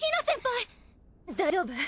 大丈夫？